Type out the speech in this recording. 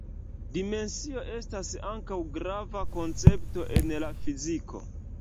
Dimensio estas ankaŭ grava koncepto en la fiziko.